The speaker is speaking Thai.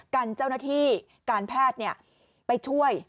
กันเจ้าหน้าที่การแพทย์ไปช่วย